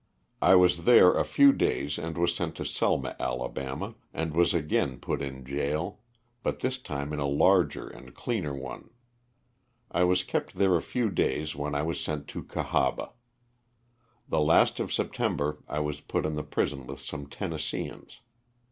I was there a few days and was sent to Selma, Ala., and was again put in jail, but this time in a larger and cleaner one. I was kept there a few days when I was sent to Cahaba. The last of September I was put in the prison with some Tennesseans.